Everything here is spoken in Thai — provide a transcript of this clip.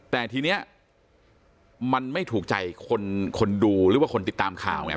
แต่ทีนี้มันไม่ถูกใจคนดูหรือว่าคนติดตามข่าวไง